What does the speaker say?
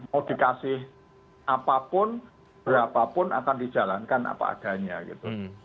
modifikasi apapun berapapun akan dijalankan apa adanya gitu